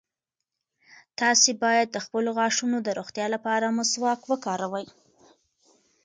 تاسي باید د خپلو غاښونو د روغتیا لپاره مسواک وکاروئ.